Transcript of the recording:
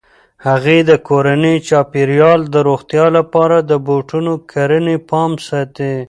هغې د کورني چاپیریال د روغتیا لپاره د بوټو کرنې پام ساتي.